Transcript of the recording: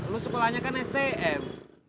lu sekolahnya kan stm